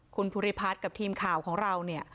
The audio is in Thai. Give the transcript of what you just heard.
คุณพุรีภัทรกับทีมข่าวของเราเนี่ย